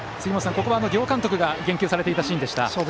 ここは両監督が言及されていたシーンでした。